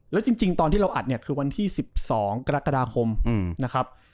แล้วจริงตอนที่เราอัดเนี่ยคือวันที่๑๒กรกฎาคมนะครับ